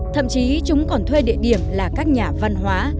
thậm chí chúng còn thuê địa điểm là các nhà văn hóa